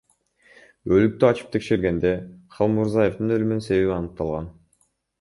Өлүктү ачып текшергенде Халмурзаевдин өлүмүнүн себеби аныкталган.